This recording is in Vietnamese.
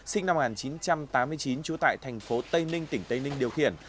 sinh năm một nghìn chín trăm tám mươi chín trú tại thành phố tây ninh tỉnh tây ninh điều khiển